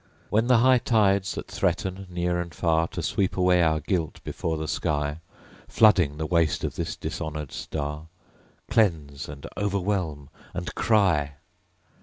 When the high tides that threaten near and far To sweep away our guilt before the sky, Flooding the waste of this dishonored Star, Cleanse, and o'erwhelm, and cry!